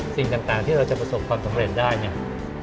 สิ่งต่างที่เราจะประสบความสำเร็จได้เนี่ย